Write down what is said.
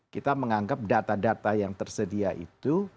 kita menganggap data data yang tersedia itu